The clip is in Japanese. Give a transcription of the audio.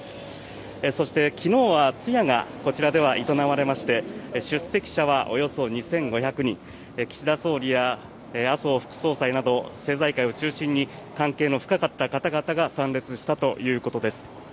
そして昨日は通夜がこちらでは営まれまして出席者はおよそ２５００人岸田総理や麻生副総裁など政財界を中心に関係の深かった方々が参列したということです。